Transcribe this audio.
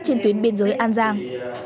trên tuyến biên giới an giang